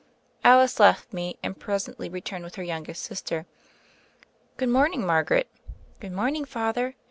Alice left me and presently returned with her youngest sister. "Good morning, Margaret." "Good morning. Father."